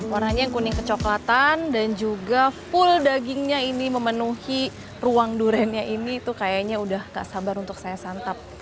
warnanya yang kuning kecoklatan dan juga full dagingnya ini memenuhi ruang duriannya ini itu kayaknya udah gak sabar untuk saya santap